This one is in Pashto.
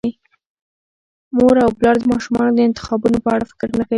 مور او پلار د ماشومانو د انتخابونو په اړه فکر نه کوي.